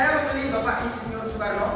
saya memilih bapak insinyur soekarno